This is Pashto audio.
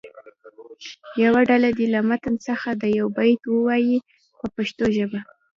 یوه ډله دې له متن څخه یو بیت ووایي په پښتو ژبه.